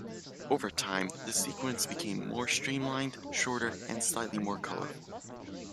Over time, the sequence became more streamlined, shorter, and slightly more colorful.